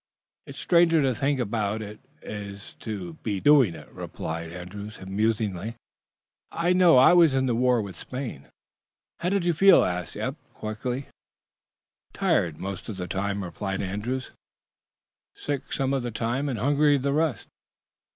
"It's stranger to think about than it is to be doing it," replied Andrews, musingly. "I know. I was in the war with Spain." "How did you feel?" asked Eph, quickly. "Tired, most of the time," replied Andrews. "Sick some of the time, and hungry the rest."